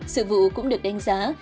sự vụ cũng được đánh giá